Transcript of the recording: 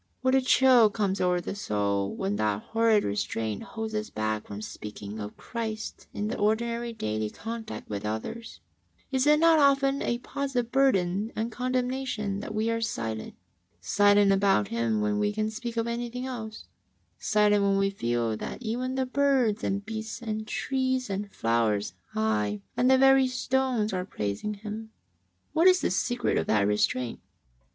What a chill comes over the soul when that liorrid restraint holds us back from sp>caking of Christ in the ordinary daily contact with others ! Is it not often a positive burden and condemnation that we are silent? — silent about Him when we can speak of anything else ; silent, when we feel that even the birds and beasts and trees and flowers, aye, and the very stones, arc praising Him? What is the secret of that restraint?